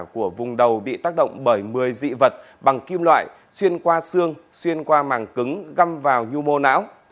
huyên bị tác động bởi một mươi dị vật bằng kim loại xuyên qua xương xuyên qua màng cứng găm vào nhu mô não